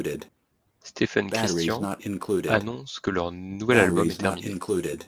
Stephen Christian annonce que leur nouvel album est terminé.